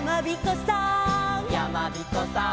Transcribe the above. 「やまびこさん」